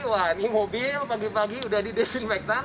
wah ini mobil pagi pagi udah didesinfektan